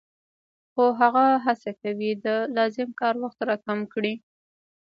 خو هغه هڅه کوي د لازم کار وخت را کم کړي